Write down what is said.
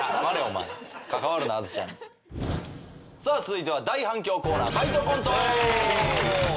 さあ続いては大反響コーナー。